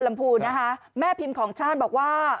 ลำภูรณ์นะคะแม่พิมพ์ของชาติบอกว่า